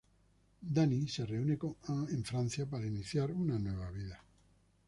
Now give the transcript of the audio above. Danny se reúne con Anne en Francia para iniciar una nueva vida.